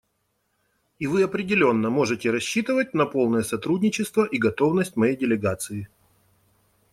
И вы определенно можете рассчитывать на полное сотрудничество и готовность моей делегации.